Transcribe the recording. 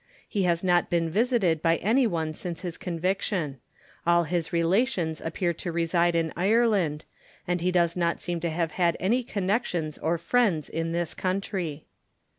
He has not been visited by any one since his conviction. All his relations appear to reside in Ireland, and he does not seem to have had any connexions or friends in this country.